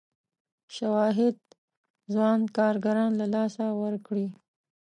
شواهد ځوان کارګران له لاسه ورکړي.